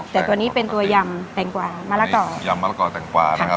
แต่ตัวนี้เป็นตัวยำแตงกว่ามะละกอยำมะละกอแตงกวานะครับ